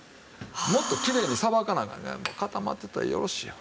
もっときれいにさばかなアカン固まってたらよろしいやん。